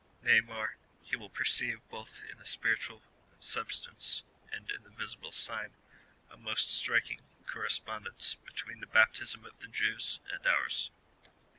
Nay more, lie will perceive both in the spi ritual substance and in the visible sign a most striking cor respondence between the baptism of the Jews, and ours.